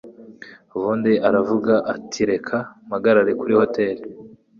ubundi aravuga atireka mpamagare kuri hotel